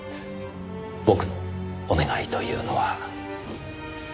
僕のお願いというのは。